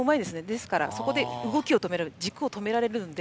ですから、そこで動き、軸を止められるので